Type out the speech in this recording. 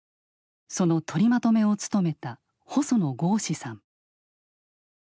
その取りまとめを務めた細野豪志さん。